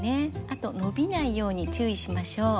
あと伸びないように注意しましよう。